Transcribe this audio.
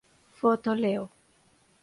Foto Leo.